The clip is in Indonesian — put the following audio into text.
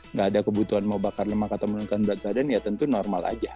nggak ada kebutuhan mau bakar lemak atau menurunkan berat badan ya tentu normal aja